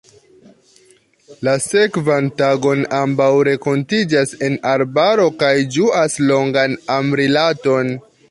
La sekvan tagon, ambaŭ renkontiĝas en arbaro kaj ĝuas longan amrilaton.